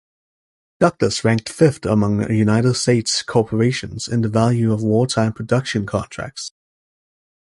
Douglas ranked fifth among United States corporations in the value of wartime production contracts.